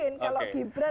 tidak mungkin kalau gibran